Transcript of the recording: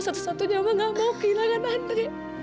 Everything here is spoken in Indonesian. satu satunya mama gak mau kehilangan nri